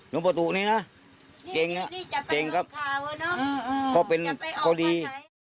น้องประตูนี้นะเจ๋งนะเจ๋งครับก็ดี